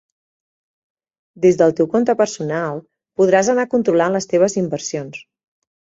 Des del teu compte personal podràs anar controlant les teves inversions.